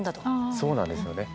そうなんですよね。